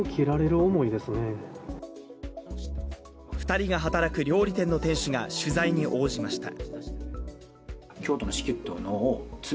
２人が働く料理店の店主が取材に応じました。